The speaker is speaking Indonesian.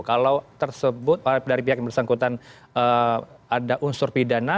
kalau tersebut dari pihak yang bersangkutan ada unsur pidana